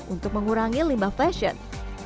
untuk mengurangi limbah fashion